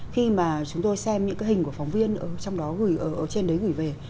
khi mà chúng tôi xem những cái hình của phóng viên ở trên đấy gửi về